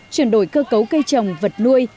chuyển đổi cơ cấu cây trồng vật nuôi